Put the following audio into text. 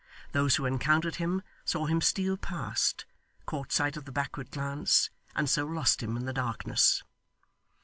Those who encountered him, saw him steal past, caught sight of the backward glance, and so lost him in the darkness.